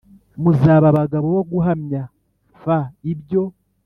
Muzaba abagabo bo guhamya f ibyo